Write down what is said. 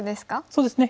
そうですね